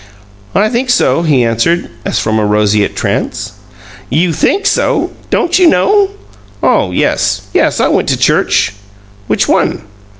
"I think so," he answered, as from a roseate trance. "You THINK so! Don't you know?" "Oh yes. Yes, I went to church!" "Which one?"